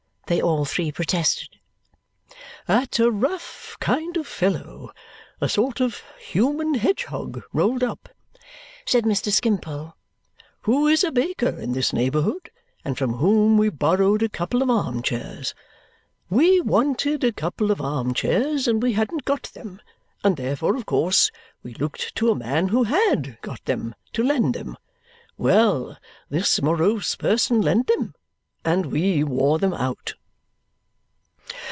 they all three protested. "At a rough kind of fellow a sort of human hedgehog rolled up," said Mr. Skimpole, "who is a baker in this neighbourhood and from whom we borrowed a couple of arm chairs. We wanted a couple of arm chairs, and we hadn't got them, and therefore of course we looked to a man who HAD got them, to lend them. Well! This morose person lent them, and we wore them out.